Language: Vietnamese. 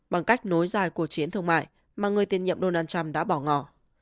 bằng cách nối dài cuộc chiến thương mại mà người tiền nhiệm donald trump đã bỏ ngỏ